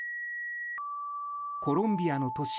コロンビアの都市